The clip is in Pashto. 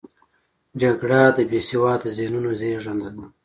جګړه د بې سواده ذهنونو زیږنده ده